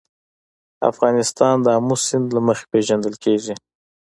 افغانستان د آمو سیند له مخې پېژندل کېږي.